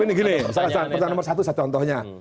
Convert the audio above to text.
ini gini pertanyaan nomor satu contohnya